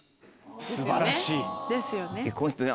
素晴らしい。ですよね。